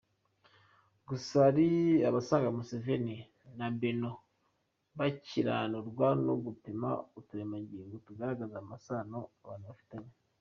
Gusa hari abasanga Museveni na Benon bakiranurwa no kupima uturemangingo tugaragaza amasano abantu bafitanye.